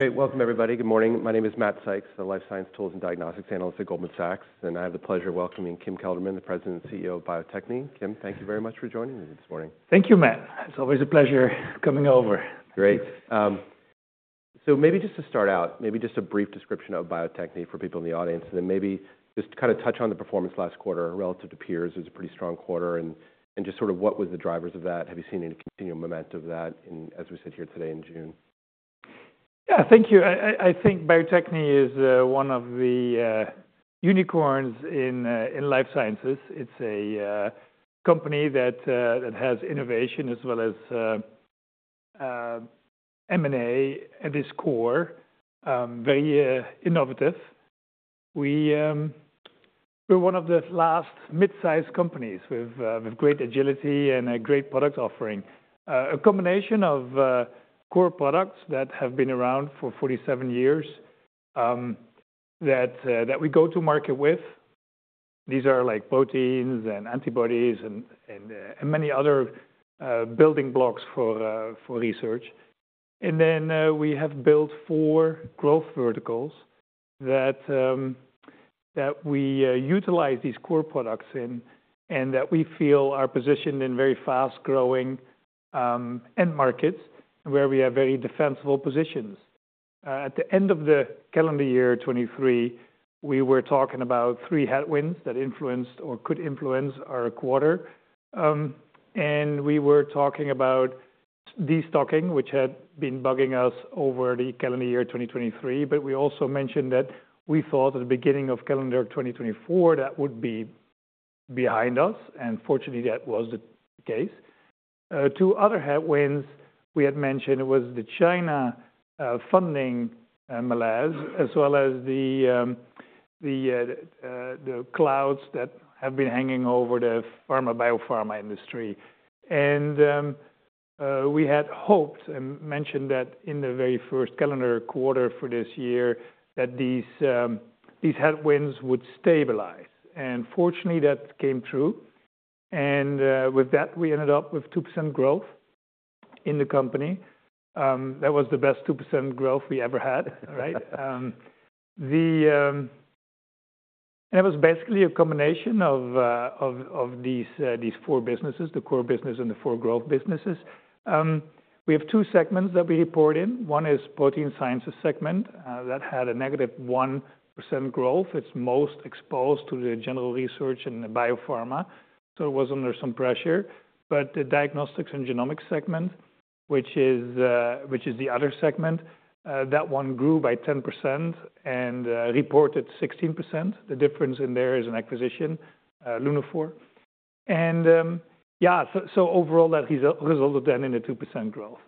Great. Welcome, everybody. Good morning. My name is Matt Sykes, the life science tools and diagnostics analyst at Goldman Sachs, and I have the pleasure of welcoming Kim Kelderman, the President and CEO of Bio-Techne. Kim, thank you very much for joining me this morning. Thank you, Matt. It's always a pleasure coming over.. Great. So maybe just to start out, maybe just a brief description of Bio-Techne for people in the audience, and then maybe just kind of touch on the performance last quarter relative to peers. It was a pretty strong quarter, and just sort of what were the drivers of that? Have you seen any continuing momentum of that in as we sit here today in June? Yeah, thank you. I think Bio-Techne is one of the unicorns in life sciences. It's a company that has innovation as well as M&A at its core, very innovative. We're one of the last mid-sized companies with great agility and a great product offering. A combination of core products that have been around for 47 years, that we go to market with. These are like proteins and antibodies and many other building blocks for research. Then, we have built 4 growth verticals that we utilize these core products in, and that we feel are positioned in very fast-growing end markets, where we have very defensible positions. At the end of the calendar year 2023, we were talking about three headwinds that influenced or could influence our quarter. And we were talking about destocking, which had been bugging us over the calendar year 2023, but we also mentioned that we thought at the beginning of calendar 2024, that would be behind us, and fortunately, that was the case. Two other headwinds we had mentioned was the China funding malaise, as well as the clouds that have been hanging over the pharma, biopharma industry. And we had hoped and mentioned that in the very first calendar quarter for this year, that these headwinds would stabilize. And fortunately, that came true. And with that, we ended up with 2% growth in the company. That was the best 2% growth we ever had, right? It was basically a combination of these four businesses, the core business and the four growth businesses. We have two segments that we report in. One is Protein Sciences segment that had a -1% growth. It's most exposed to the general research and the biopharma, so it was under some pressure. But the Diagnostics and Genomics segment, which is the other segment, that one grew by 10% and reported 16%. The difference in there is an acquisition, Lunaphore. So overall, that resulted then in a 2% growth.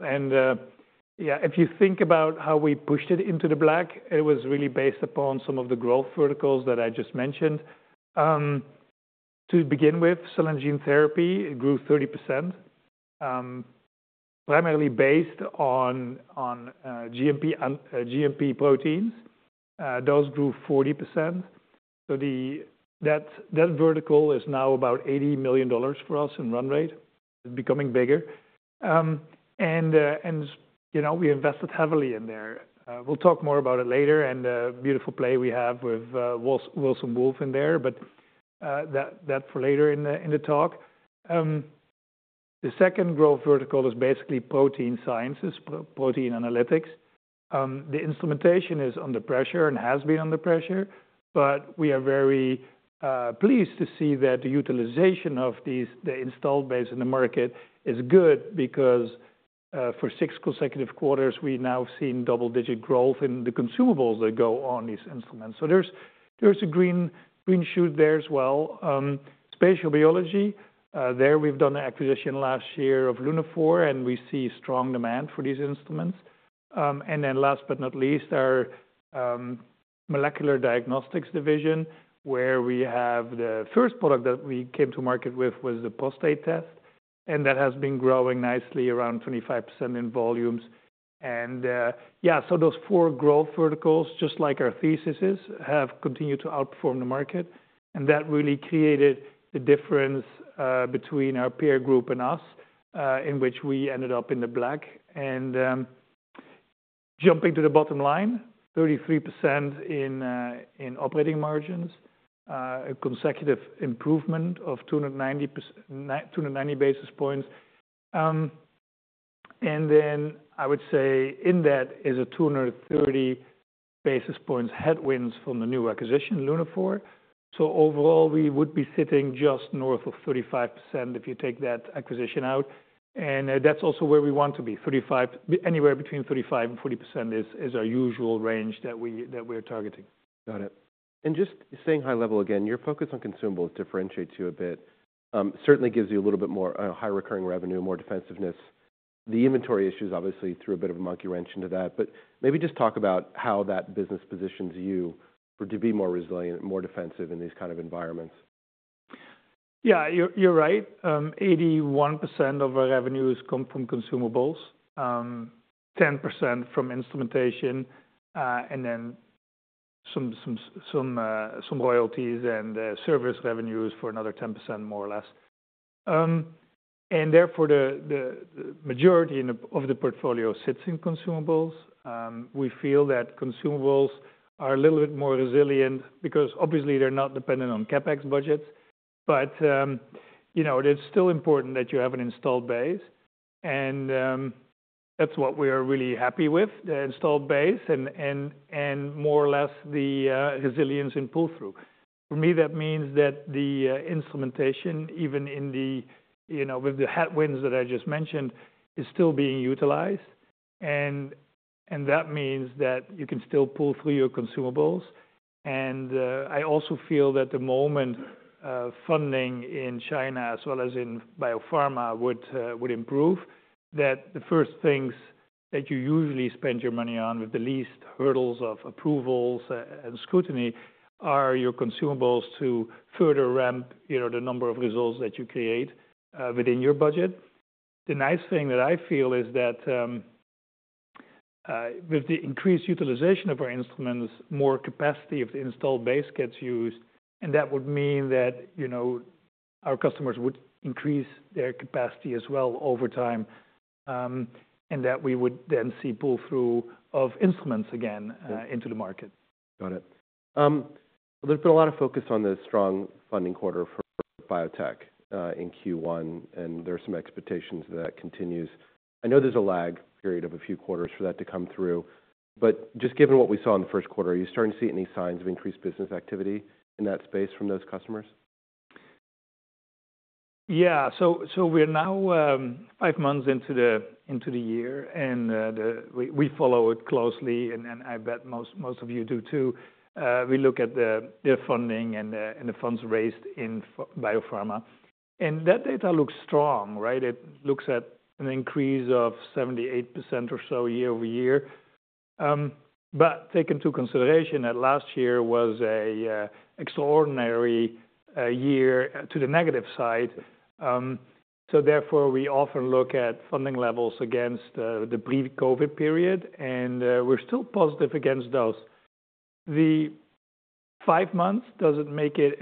Yeah, if you think about how we pushed it into the black, it was really based upon some of the growth verticals that I just mentioned. To begin with, cell and gene therapy, it grew 30%, primarily based on GMP and GMP proteins. Those grew 40%. So that vertical is now about $80 million for us in run rate. It's becoming bigger. And, you know, we invested heavily in there. We'll talk more about it later, and a beautiful play we have with Wilson Wolf in there, but that for later in the talk. The second growth vertical is basically Protein Sciences, protein analytics. The instrumentation is under pressure and has been under pressure, but we are very pleased to see that the utilization of these, the installed base in the market, is good because, for six consecutive quarters, we've now seen double-digit growth in the consumables that go on these instruments. So there's a green shoot there as well. Spatial biology, there, we've done an acquisition last year of Lunaphore, and we see strong demand for these instruments. And then last but not least, our molecular diagnostics division, where we have the first product that we came to market with was the prostate test, and that has been growing nicely, around 25% in volumes. Yeah, so those four growth verticals, just like our theses, have continued to outperform the market, and that really created the difference between our peer group and us, in which we ended up in the black. Jumping to the bottom line, 33% in operating margins, a consecutive improvement of 290 basis points. And then I would say in that is a 230 basis points headwinds from the new acquisition, Lunaphore. So overall, we would be sitting just north of 35% if you take that acquisition out, and that's also where we want to be. Thirty-five, anywhere between 35% and 40% is our usual range that we're targeting. Got it. Just staying high level again, your focus on consumables differentiates you a bit. Certainly gives you a little bit more high recurring revenue, more defensiveness. The inventory issues obviously threw a bit of a monkey wrench into that, but maybe just talk about how that business positions you to be more resilient, more defensive in these kind of environments. Yeah, you're right. 81% of our revenues come from consumables, 10% from instrumentation, and then some royalties and service revenues for another 10%, more or less. And therefore, the majority of the portfolio sits in consumables. We feel that consumables are a little bit more resilient because obviously they're not dependent on CapEx budgets. But, you know, it is still important that you have an installed base, and that's what we are really happy with, the installed base and more or less the resilience in pull-through. For me, that means that the instrumentation, even in the, you know, with the headwinds that I just mentioned, is still being utilized. And that means that you can still pull through your consumables. I also feel that the moment funding in China, as well as in biopharma, would improve, that the first things that you usually spend your money on, with the least hurdles of approvals and scrutiny, are your consumables to further ramp, you know, the number of results that you create, within your budget. The nice thing that I feel is that, with the increased utilization of our instruments, more capacity of the installed base gets used, and that would mean that, you know, our customers would increase their capacity as well over time, and that we would then see pull-through of instruments again, into the market. Got it. There's been a lot of focus on the strong funding quarter for biotech in Q1, and there are some expectations that continues. I know there's a lag period of a few quarters for that to come through, but just given what we saw in the first quarter, are you starting to see any signs of increased business activity in that space from those customers? Yeah. So we're now 5 months into the year, and we follow it closely, and I bet most of you do, too. We look at the funding and the funds raised in biopharma, and that data looks strong, right? It looks at an increase of 78% or so year-over-year. But take into consideration that last year was a extraordinary year to the negative side. So therefore, we often look at funding levels against the pre-COVID period, and we're still positive against those. The 5 months doesn't make it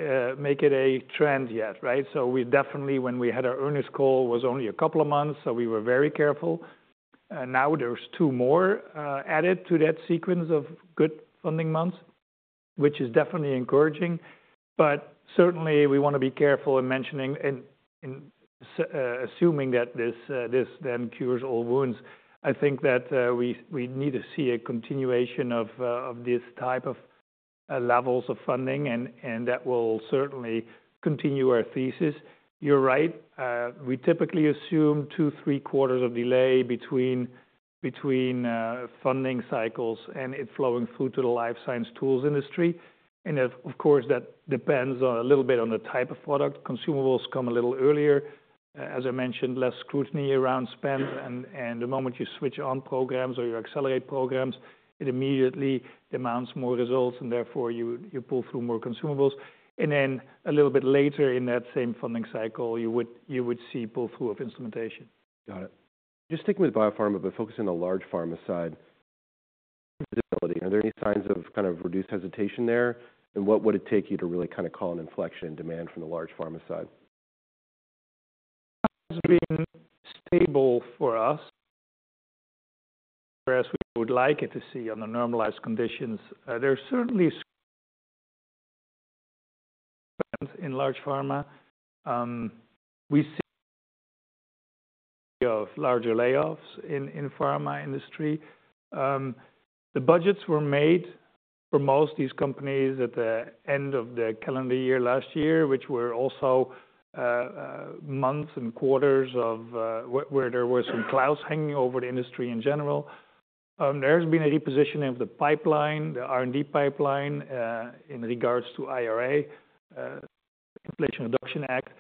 a trend yet, right? So we definitely, when we had our earnings call, was only a couple of months, so we were very careful. And now there's 2 more added to that sequence of good funding months, which is definitely encouraging. But certainly, we want to be careful in mentioning and assuming that this then cures all wounds. I think that we need to see a continuation of this type of levels of funding, and that will certainly continue our thesis. You're right, we typically assume 2-3 quarters of delay between funding cycles and it flowing through to the life science tools industry. And of course, that depends on a little bit on the type of product. Consumables come a little earlier. As I mentioned, less scrutiny around spend, and the moment you switch on programs or you accelerate programs, it immediately demands more results, and therefore, you pull through more consumables. And then a little bit later in that same funding cycle, you would, you would see pull-through of instrumentation. Got it. Just sticking with biopharma, but focusing on the large pharma side, stability, are there any signs of kind of reduced hesitation there? And what would it take you to really kind of call an inflection in demand from the large pharma side? It's been stable for us, whereas we would like it to see on the normalized conditions. There are certainly... In large pharma, we see of larger layoffs in pharma industry. The budgets were made for most of these companies at the end of the calendar year last year, which were also months and quarters of where there were some clouds hanging over the industry in general. There's been a repositioning of the pipeline, the R&D pipeline, in regards to IRA, Inflation Reduction Act.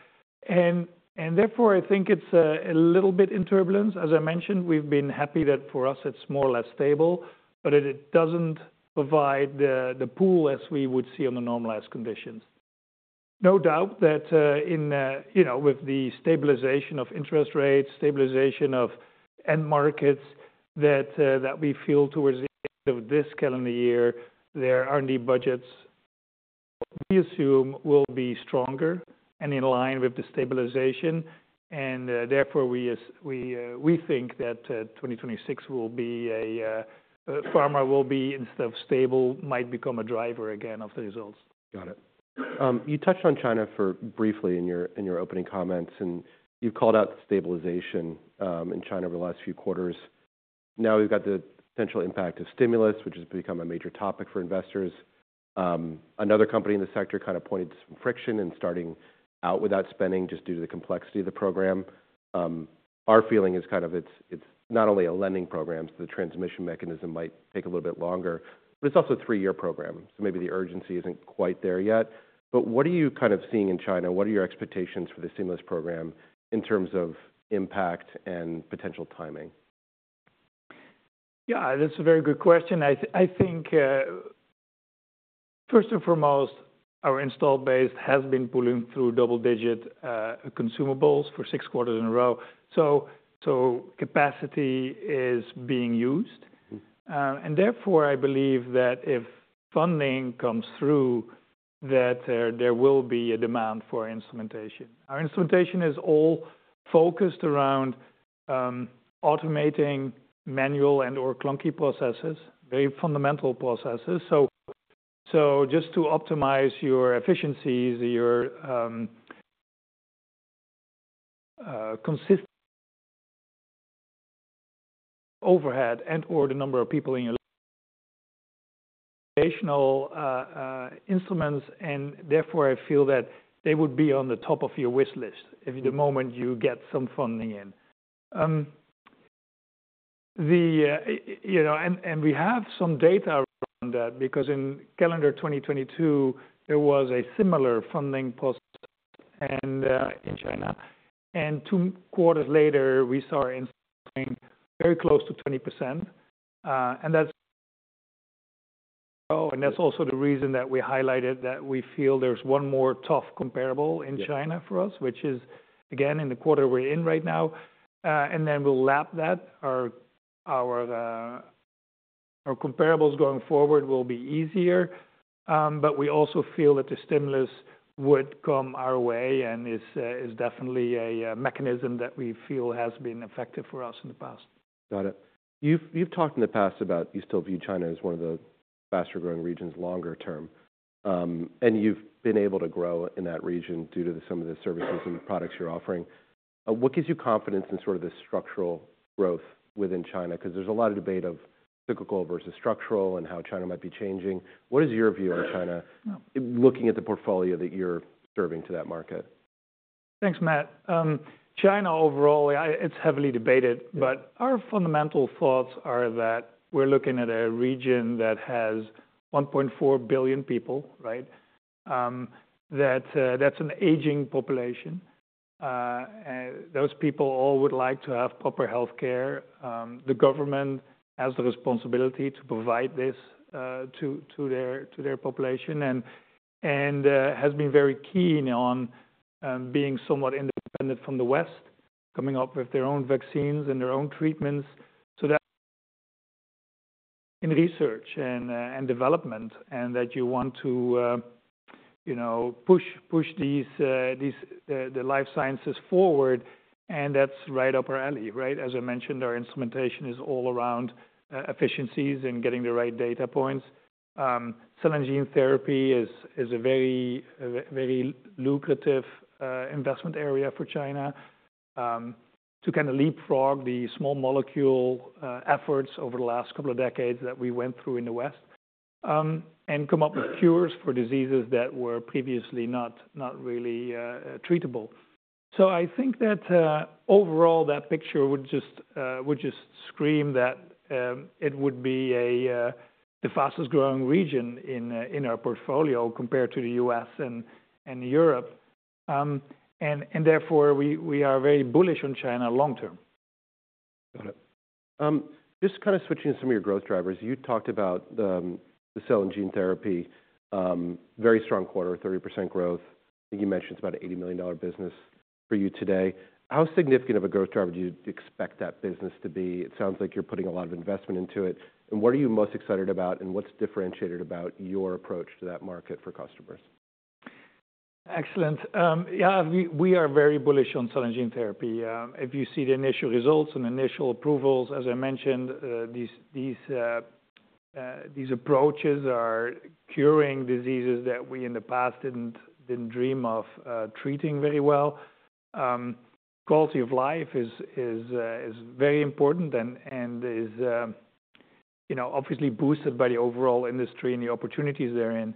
Therefore, I think it's a little bit in turbulence. As I mentioned, we've been happy that for us it's more or less stable, but it doesn't provide the pool as we would see on the normalized conditions. No doubt that, you know, with the stabilization of interest rates, stabilization of end markets, that we feel towards the end of this calendar year, there are R&D budgets we assume will be stronger and in line with the stabilization. Therefore, we think that 2026 will be a pharma will be instead of stable, might become a driver again of the results. Got it. You touched on China too briefly in your, in your opening comments, and you've called out stabilization in China over the last few quarters. Now, we've got the potential impact of stimulus, which has become a major topic for investors. Another company in the sector kind of pointed to some friction in starting out without spending, just due to the complexity of the program. Our feeling is kind of it's not only a lending program, so the transmission mechanism might take a little bit longer, but it's also a three-year program, so maybe the urgency isn't quite there yet. But what are you kind of seeing in China? What are your expectations for the stimulus program in terms of impact and potential timing? Yeah, that's a very good question. I think, first and foremost, our install base has been pulling through double-digit consumables for six quarters in a row. So capacity is being used. And therefore, I believe that if funding comes through, there will be a demand for instrumentation. Our instrumentation is all focused around automating manual and/or clunky processes, very fundamental processes. So just to optimize your efficiencies, your consistent overhead, and or the number of people in your manning your instruments, and therefore, I feel that they would be on the top of your wish list if the moment you get some funding in. You know, and we have some data on that, because in calendar 2022, there was a similar funding pulse in China, and two quarters later, we saw our income very close to 20%. And that's also the reason that we highlighted that we feel there's one more tough comparable in China for us, which is, again, in the quarter we're in right now. And then we'll lap that. Our comparables going forward will be easier, but we also feel that the stimulus would come our way, and is definitely a mechanism that we feel has been effective for us in the past. Got it. You've, you've talked in the past about you still view China as one of the faster-growing regions longer term. You've been able to grow in that region due to some of the services and products you're offering. What gives you confidence in sort of the structural growth within China? Because there's a lot of debate of cyclical versus structural and how China might be changing. What is your view on China, looking at the portfolio that you're serving to that market? Thanks, Matt. China, overall, it's heavily debated. Yeah. But our fundamental thoughts are that we're looking at a region that has 1.4 billion people, right? That's an aging population, and those people all would like to have proper health care. The government has the responsibility to provide this to their population, and has been very keen on being somewhat independent from the West, coming up with their own vaccines and their own treatments. So that in research and development, and that you want to, you know, push these life sciences forward, and that's right up our alley, right? As I mentioned, our instrumentation is all around efficiencies and getting the right data points. Cell and gene therapy is, is a very, very lucrative, investment area for China, to kind of leapfrog the small molecule, efforts over the last couple of decades that we went through in the West, and come up with cures for diseases that were previously not, not really, treatable. So I think that, overall, that picture would just, would just scream that, it would be a, the fastest-growing region in, in our portfolio compared to the U.S. and, and Europe. And therefore, we, we are very bullish on China long term. Got it. Just kind of switching some of your growth drivers. You talked about the cell and gene therapy, very strong quarter, 30% growth. I think you mentioned it's about $80 million business for you today. How significant of a growth driver do you expect that business to be? It sounds like you're putting a lot of investment into it. And what are you most excited about, and what's differentiated about your approach to that market for customers? Excellent. Yeah, we are very bullish on cell and gene therapy. If you see the initial results and initial approvals, as I mentioned, these approaches are curing diseases that we, in the past, didn't dream of treating very well. Quality of life is very important and is, you know, obviously boosted by the overall industry and the opportunities they're in.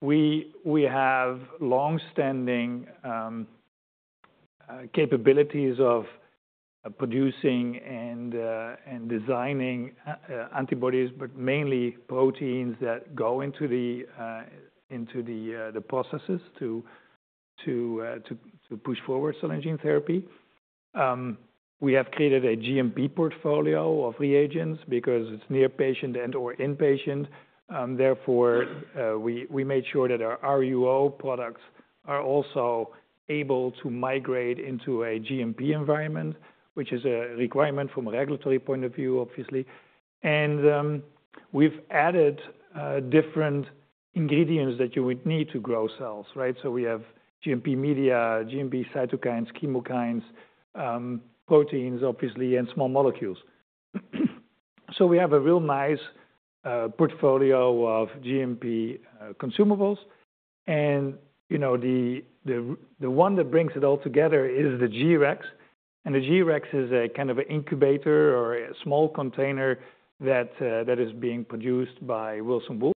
We have long-standing capabilities of producing and designing antibodies, but mainly proteins that go into the processes to push forward cell and gene therapy. We have created a GMP portfolio of reagents because it's near patient and/or inpatient. Therefore, we made sure that our RUO products are also able to migrate into a GMP environment, which is a requirement from a regulatory point of view, obviously. And we've added different ingredients that you would need to grow cells, right? So we have GMP media, GMP cytokines, chemokines, proteins, obviously, and small molecules. So we have a real nice portfolio of GMP consumables. And, you know, the one that brings it all together is the G-Rex. And the G-Rex is a kind of an incubator or a small container that is being produced by Wilson Wolf.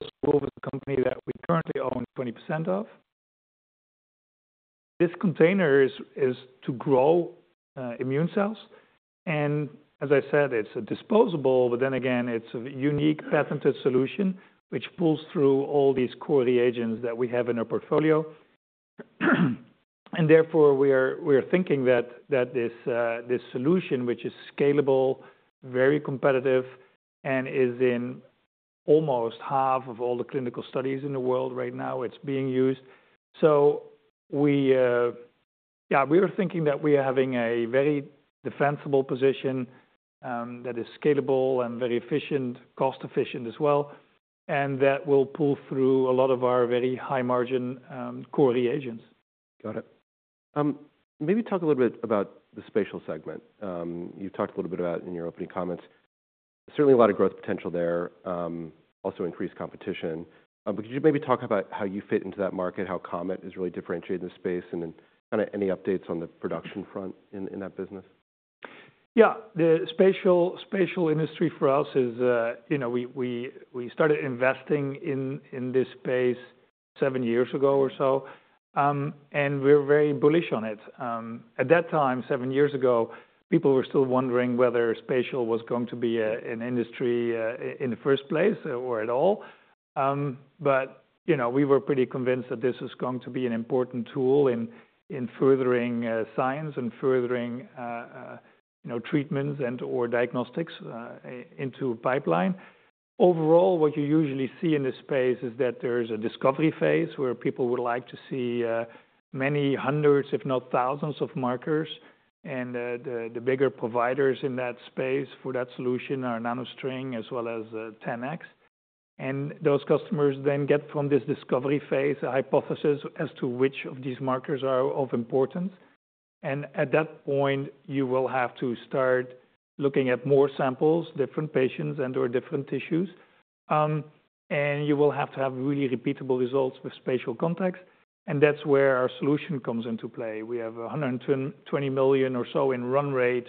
Wilson Wolf is a company that we currently own 20% of. This container is to grow immune cells. As I said, it's a disposable, but then again, it's a unique patented solution, which pulls through all these core reagents that we have in our portfolio. And therefore, we are, we are thinking that, that this, this solution, which is scalable, very competitive, and is in almost half of all the clinical studies in the world right now, it's being used. So we, yeah, we are thinking that we are having a very defensible position, that is scalable and very efficient, cost efficient as well, and that will pull through a lot of our very high margin, core reagents. Got it. Maybe talk a little bit about the spatial segment. You talked a little bit about in your opening comments. Certainly a lot of growth potential there, also increased competition. But could you maybe talk about how you fit into that market, how COMET is really differentiated in the space, and then any updates on the production front in that business? Yeah. The spatial, spatial industry for us is, you know, we, we, we started investing in, in this space seven years ago or so, and we're very bullish on it. At that time, seven years ago, people were still wondering whether spatial was going to be a, an industry, in the first place or at all. But, you know, we were pretty convinced that this was going to be an important tool in, in furthering, science and furthering, you know, treatments and or diagnostics, into pipeline. Overall, what you usually see in this space is that there is a discovery phase where people would like to see, many hundreds, if not thousands, of markers, and, the, the bigger providers in that space for that solution are NanoString as well as, 10x. Those customers then get from this discovery phase, a hypothesis as to which of these markers are of importance. At that point, you will have to start looking at more samples, different patients, and/or different tissues. You will have to have really repeatable results with spatial context, and that's where our solution comes into play. We have $120 million or so in run rate,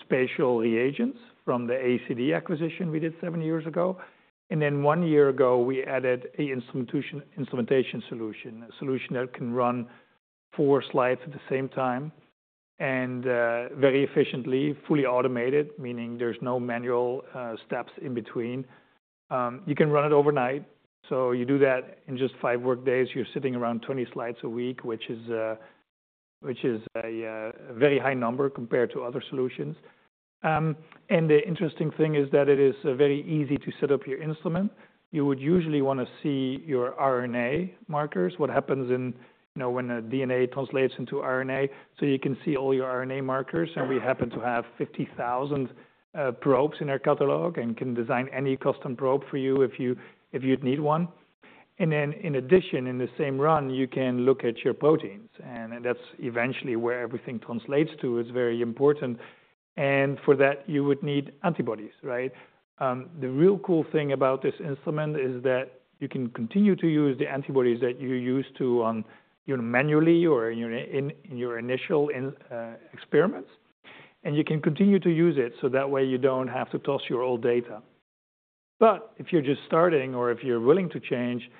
spatial reagents from the ACD acquisition we did 7 years ago. Then 1 year ago, we added an instrumentation solution, a solution that can run 4 slides at the same time and, very efficiently, fully automated, meaning there's no manual steps in between. You can run it overnight, so you do that in just 5 work days. You're sitting around 20 slides a week, which is a very high number compared to other solutions. And the interesting thing is that it is very easy to set up your instrument. You would usually wanna see your RNA markers, what happens in, you know, when a DNA translates into RNA, so you can see all your RNA markers. And we happen to have 50,000 probes in our catalog and can design any custom probe for you if you'd need one. And then in addition, in the same run, you can look at your proteins, and that's eventually where everything translates to. It's very important. And for that, you would need antibodies, right? The real cool thing about this instrument is that you can continue to use the antibodies that you're used to on, you know, manually or in your initial experiments, and you can continue to use it, so that way you don't have to toss your old data. But if you're just starting or if you're willing to change,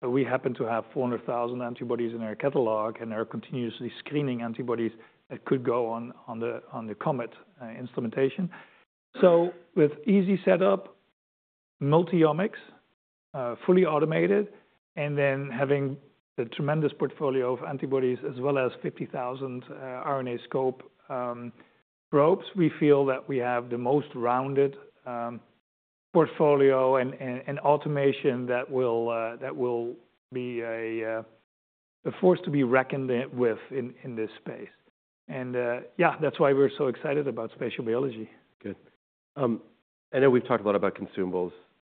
we happen to have 400,000 antibodies in our catalog, and are continuously screening antibodies that could go on the COMET instrumentation. So with easy setup, multi-omics, fully automated, and then having the tremendous portfolio of antibodies, as well as 50,000 RNAscope probes, we feel that we have the most rounded portfolio and automation that will be a force to be reckoned with in this space. Yeah, that's why we're so excited about spatial biology. Good. I know we've talked a lot about consumables.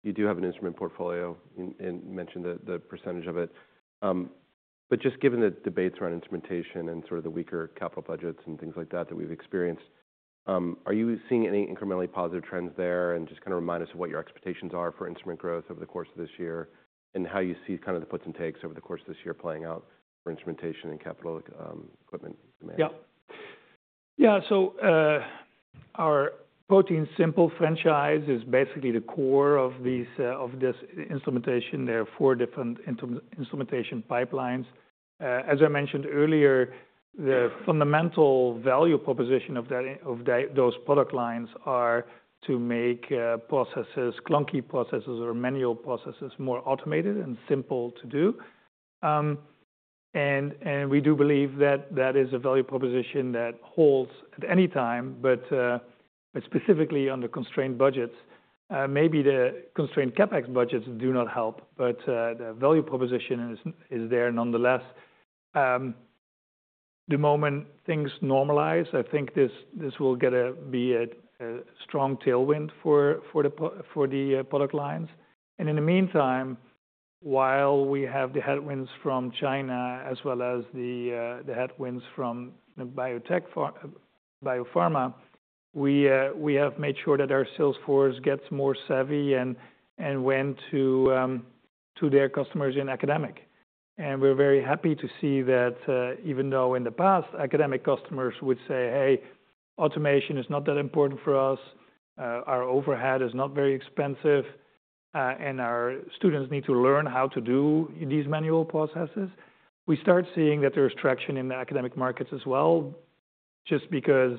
You do have an instrument portfolio and mentioned the percentage of it. But just given the debates around instrumentation and sort of the weaker capital budgets and things like that that we've experienced, are you seeing any incrementally positive trends there? And just kinda remind us of what your expectations are for instrument growth over the course of this year, and how you see kind of the puts and takes over the course of this year playing out for instrumentation and capital equipment demand. Yeah. Yeah, so, our ProteinSimple franchise is basically the core of these, of this instrumentation. There are four different instrumentation pipelines. As I mentioned earlier, the fundamental value proposition of that, of that, those product lines are to make processes, clunky processes or manual processes, more automated and simple to do. And, and we do believe that that is a value proposition that holds at any time, but, but specifically under constrained budgets. Maybe the constrained CapEx budgets do not help, but, the value proposition is, is there nonetheless. The moment things normalize, I think this, this will be a strong tailwind for, for the product lines. In the meantime, while we have the headwinds from China, as well as the headwinds from the biotech and biopharma, we have made sure that our sales force gets more savvy and went to their customers in academic. And we're very happy to see that, even though in the past, academic customers would say, "Hey, automation is not that important for us, our overhead is not very expensive, and our students need to learn how to do these manual processes," we start seeing that there's traction in the academic markets as well. Just because,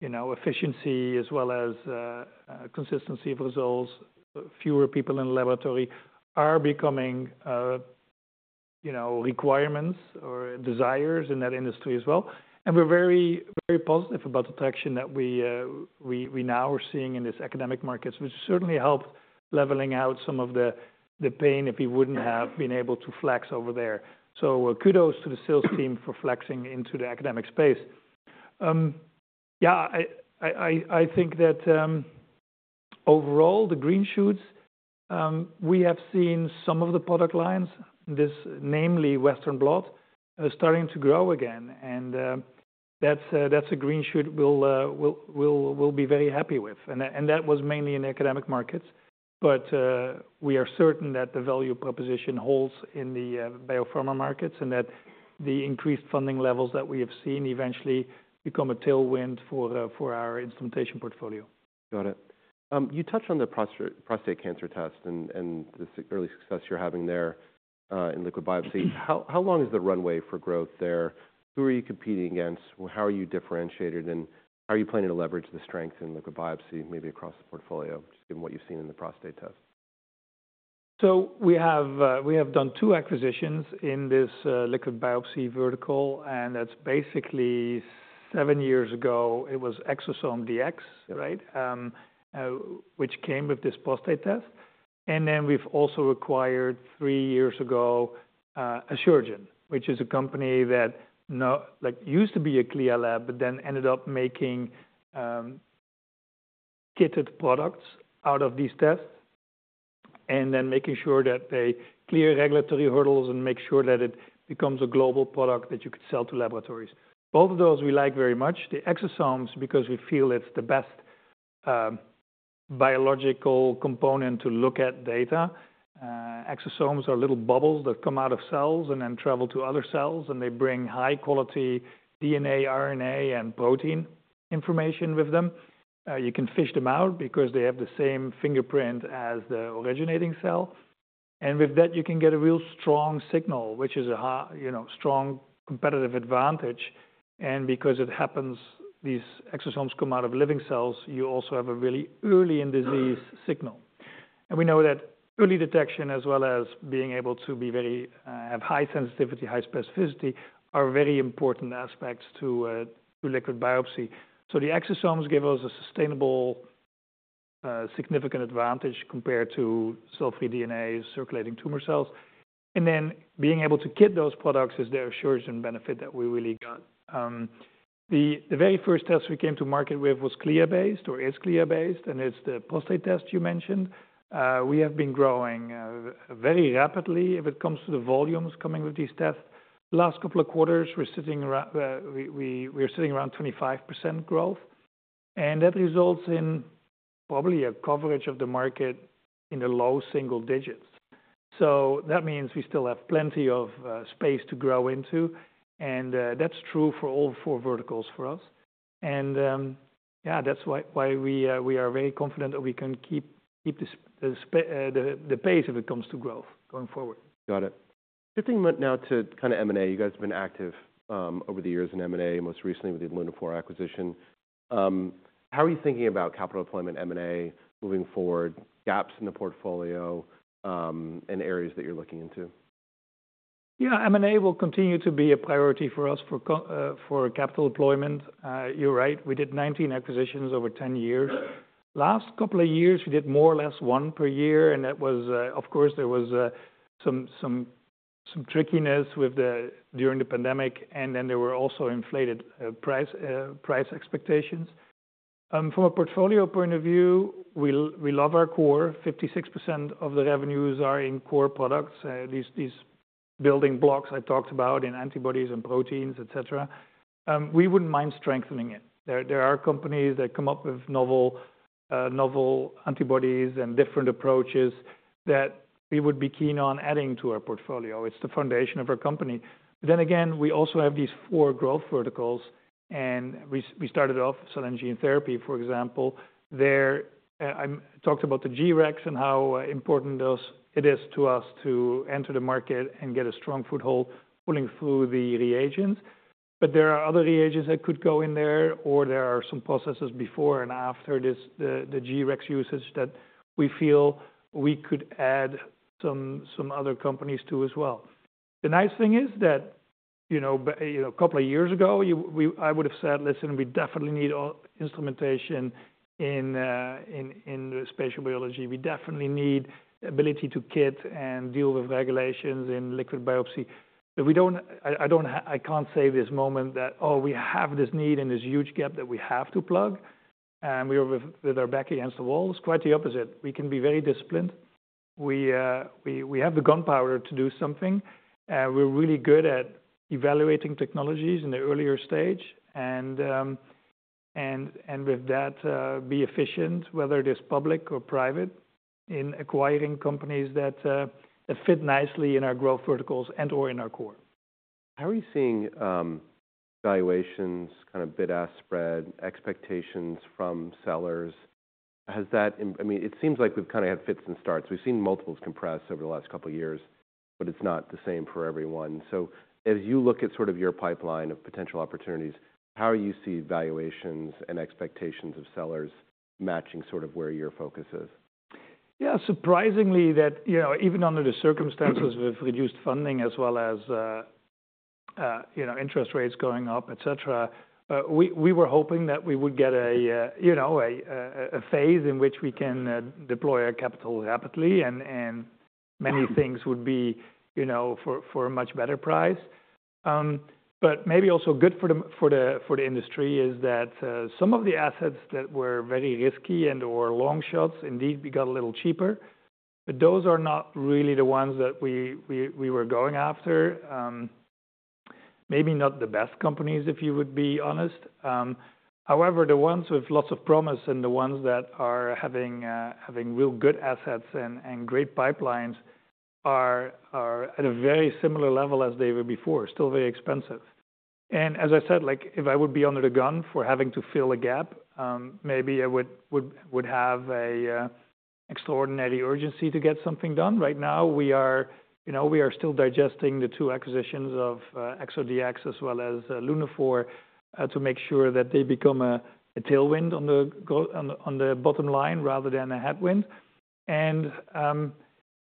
you know, efficiency as well as consistency of results, fewer people in the laboratory are becoming, you know, requirements or desires in that industry as well. And we're very, very positive about the traction that we now are seeing in this academic markets, which certainly help leveling out some of the pain if we wouldn't have been able to flex over there. So kudos to the sales team for flexing into the academic space. Yeah, I think that overall, the green shoots we have seen some of the product lines, this namely Western Blot, starting to grow again. And that's a green shoot we'll be very happy with. And that was mainly in academic markets. But we are certain that the value proposition holds in the biopharma markets, and that the increased funding levels that we have seen eventually become a tailwind for our instrumentation portfolio. Got it. You touched on the prostate cancer test and the early success you're having there in liquid biopsy. How long is the runway for growth there? Who are you competing against? How are you differentiated, and how are you planning to leverage the strength in liquid biopsy, maybe across the portfolio, just given what you've seen in the prostate test? So we have done two acquisitions in this liquid biopsy vertical, and that's basically 7 years ago, it was ExosomeDx, right? Which came with this prostate test. And then we've also acquired, 3 years ago, Asuragen, which is a company that like used to be a CLIA lab, but then ended up making kitted products out of these tests, and then making sure that they clear regulatory hurdles and make sure that it becomes a global product that you could sell to laboratories. Both of those we like very much. The exosomes, because we feel it's the best biological component to look at data. Exosomes are little bubbles that come out of cells and then travel to other cells, and they bring high-quality DNA, RNA, and protein information with them. You can fish them out because they have the same fingerprint as the originating cell. And with that, you can get a real strong signal, which is a high, you know, strong competitive advantage. And because it happens, these exosomes come out of living cells, you also have a really early in disease signal. And we know that early detection, as well as being able to be very, have high sensitivity, high specificity, are very important aspects to, to liquid biopsy. So the exosomes give us a sustainable, significant advantage compared to cell-free DNA, circulating tumor cells. And then being able to get those products is the Asuragen benefit that we really got. The very first test we came to market with was CLIA-based or is CLIA-based, and it's the prostate test you mentioned. We have been growing very rapidly if it comes to the volumes coming with these tests. Last couple of quarters, we're sitting around 25% growth, and that results in probably a coverage of the market in the low single digits. So that means we still have plenty of space to grow into, and that's true for all four verticals for us. And yeah, that's why we are very confident that we can keep this pace if it comes to growth going forward. Got it. Shifting now to kind of M&A. You guys have been active, over the years in M&A, most recently with the Lunaphore acquisition. How are you thinking about capital deployment M&A moving forward, gaps in the portfolio, and areas that you're looking into? Yeah, M&A will continue to be a priority for us for capital deployment. You're right, we did 19 acquisitions over 10 years. Last couple of years, we did more or less 1 per year, and that was, of course, there was some trickiness during the pandemic, and then there were also inflated price expectations. From a portfolio point of view, we love our core. 56% of the revenues are in core products, these building blocks I talked about in antibodies and proteins, et cetera. We wouldn't mind strengthening it. There are companies that come up with novel antibodies and different approaches that we would be keen on adding to our portfolio. It's the foundation of our company. Then again, we also have these four growth verticals, and we started off cell and gene therapy, for example. There, I talked about the G-Rex and how important those, it is to us to enter the market and get a strong foothold pulling through the reagents. But there are other reagents that could go in there, or there are some processes before and after this, the, the G-Rex usage, that we feel we could add some, some other companies, too, as well. The nice thing is that, you know, a couple of years ago, you, we, I would have said, "Listen, we definitely need all instrumentation in, in, in spatial biology. We definitely need ability to kit and deal with regulations in liquid biopsy." But we don't... I can't say at this moment that, oh, we have this need and this huge gap that we have to plug, and we are with our back against the wall. Quite the opposite. We can be very disciplined. We have the gunpowder to do something. We're really good at evaluating technologies in the earlier stage and with that be efficient, whether it is public or private, in acquiring companies that fit nicely in our growth verticals and or in our core. How are you seeing valuations, kind of bid-ask spread, expectations from sellers? Has that, I mean, it seems like we've kind of had fits and starts. We've seen multiples compress over the last couple of years, but it's not the same for everyone. So as you look at sort of your pipeline of potential opportunities, how do you see valuations and expectations of sellers matching sort of where your focus is? Yeah, surprisingly, that, you know, even under the circumstances with reduced funding as well as, you know, interest rates going up, et cetera, we were hoping that we would get a, you know, a phase in which we can deploy our capital rapidly and many things would be, you know, for a much better price. But maybe also good for the industry is that some of the assets that were very risky and or long shots, indeed, we got a little cheaper, but those are not really the ones that we were going after. Maybe not the best companies, if you would be honest. However, the ones with lots of promise and the ones that are having real good assets and great pipelines are at a very similar level as they were before, still very expensive. And as I said, like, if I would be under the gun for having to fill a gap, maybe I would have a extraordinary urgency to get something done. Right now, you know, we are still digesting the two acquisitions of ExoDX as well as Lunaphore to make sure that they become a tailwind on the bottom line rather than a headwind. And,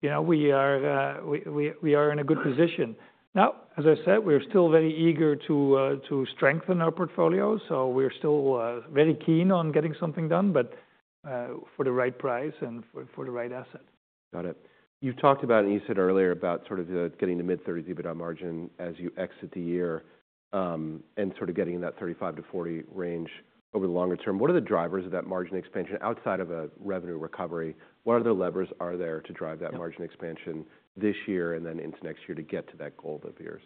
you know, we are in a good position. Now, as I said, we're still very eager to strengthen our portfolio, so we're still very keen on getting something done, but for the right price and for the right asset. Got it. You talked about, and you said earlier about sort of the getting to mid-30% EBITDA margin as you exit the year, and sort of getting in that 35%-40% range over the longer term. What are the drivers of that margin expansion outside of a revenue recovery? What other levers are there to drive that margin expansion this year and then into next year to get to that goal of yours?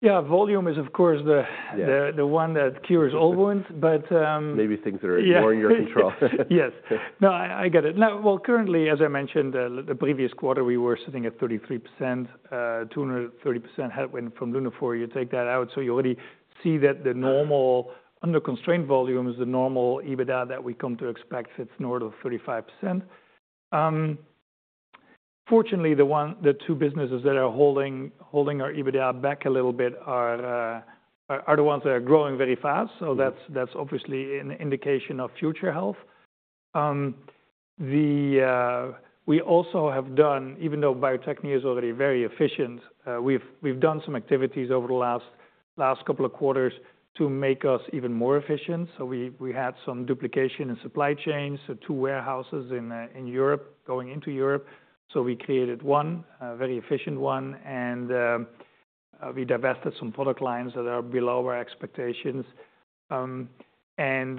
Yeah. Volume is, of course, the- Yeah the one that cures all wounds, but, Maybe things that are more in your control. Yes. No, I get it. Now, well, currently, as I mentioned, the previous quarter, we were sitting at 33%, 230 basis points headwind from Lunaphore. You take that out, so you already see that the normal under constraint volume is the normal EBITDA that we come to expect, it's north of 35%. Fortunately, the two businesses that are holding our EBITDA back a little bit are the ones that are growing very fast. So that's obviously an indication of future health. We also have done, even though Bio-Techne is already very efficient, we've done some activities over the last couple of quarters to make us even more efficient. So we had some duplication in supply chains, so two warehouses in Europe, going into Europe. So we created one, a very efficient one, and we divested some product lines that are below our expectations. And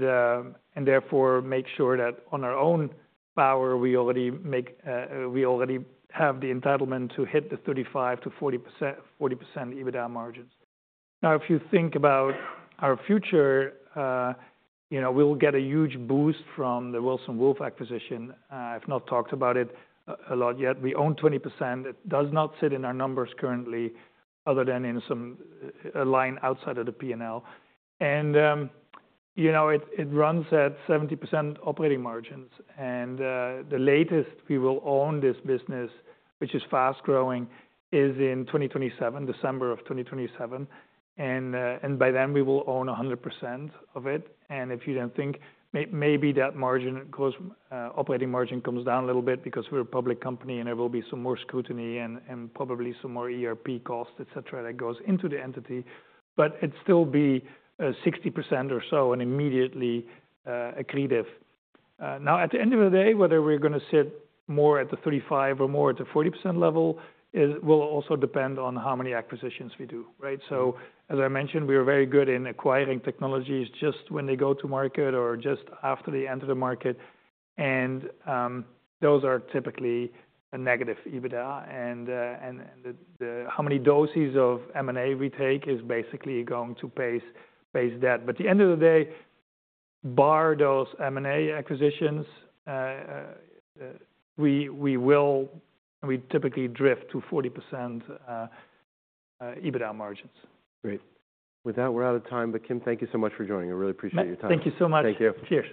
therefore make sure that on our own power, we already make, we already have the entitlement to hit the 35%-40% EBITDA margins. Now, if you think about our future, you know, we'll get a huge boost from the Wilson Wolf acquisition. I've not talked about it a lot yet. We own 20%. It does not sit in our numbers currently, other than in some line outside of the P&L. And you know, it runs at 70% operating margins, and the latest we will own this business, which is fast-growing, is in 2027, December 2027. And by then, we will own 100% of it. If you don't think maybe that margin goes, operating margin comes down a little bit because we're a public company and there will be some more scrutiny and probably some more ERP costs, et cetera, that goes into the entity, but it'd still be 60% or so and immediately accretive. Now, at the end of the day, whether we're gonna sit more at the 35 or more at the 40% level, it will also depend on how many acquisitions we do, right? So as I mentioned, we are very good in acquiring technologies just when they go to market or just after they enter the market. And those are typically a negative EBITDA, and the how many doses of M&A we take is basically going to pace that. But at the end of the day, bar those M&A acquisitions, we typically drift to 40% EBITDA margins. Great. With that, we're out of time. Kim, thank you so much for joining. I really appreciate your time. Thank you so much. Thank you. Cheers.